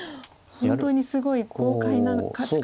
本当にすごい豪快な勝ち方。